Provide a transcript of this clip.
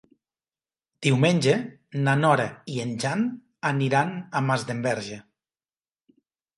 Diumenge na Nora i en Jan aniran a Masdenverge.